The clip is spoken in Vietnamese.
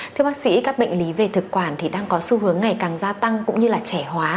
thưa bác sĩ các bệnh lý về thực quản thì đang có xu hướng ngày càng gia tăng cũng như là trẻ hóa